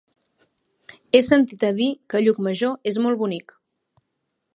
He sentit a dir que Llucmajor és molt bonic.